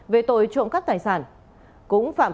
về tội trộm các tài sản cũng phạm